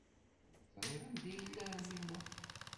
Ur ẓṛiɣ anda i yella ɛemmi Muḥ.